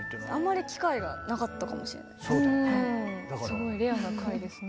すごいレアな回ですね。